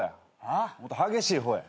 もっと激しい方や。